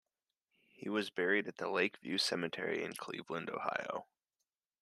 He was buried at the Lake View Cemetery in Cleveland, Ohio.